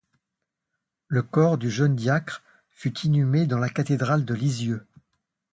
Le corps du jeune diacre fut inhumé dans la cathédrale de Lisieux.